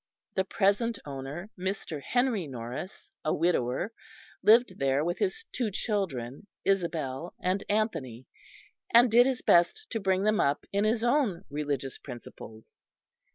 The present owner, Mr. Henry Norris, a widower, lived there with his two children, Isabel and Anthony, and did his best to bring them up in his own religious principles.